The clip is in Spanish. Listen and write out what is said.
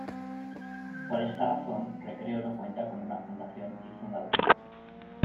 Por esta razón Recreo no cuenta con una fundación y fundador.